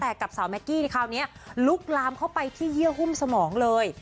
แต่กับสาวแก๊กกี้ในคราวนี้ลุกลามเข้าไปที่เยื่อหุ้มสมองเลย